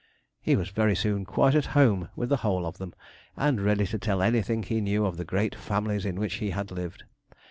He was very soon quite at home with the whole of them, and ready to tell anything he knew of the great families in which he had lived.